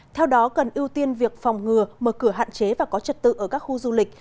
theo đó cần ưu tiên việc phòng ngừa mở cửa hạn chế và có trật tự ở các khu du lịch